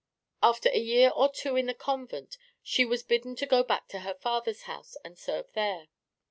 After a year or two in the convent she was bidden to go back to her father's house and serve there.